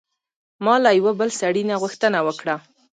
ما له یوه بل سړي نه غوښتنه وکړه.